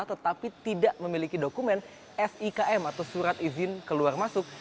tetapi tidak memiliki dokumen sikm atau surat izin keluar masuk